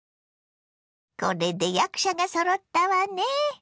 これで役者がそろったわね。